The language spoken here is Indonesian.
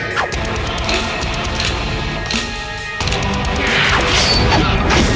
kau akan terlepas